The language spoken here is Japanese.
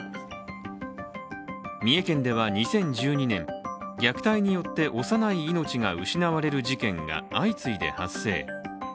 三重県では２０１２年、虐待によって幼い命が失われる事件が相次いで発生。